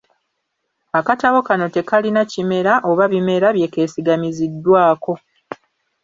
Akatabo kano tekalina kimera oba bimera byekesigamiziddwaako.